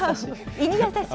胃に優しい。